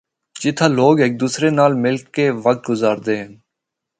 جتھا لوگ ہک دوسرے نال مل کے وقت گزاردے ہن۔